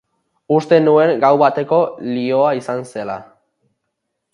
Uste nuen gau bateko lioa izan zela.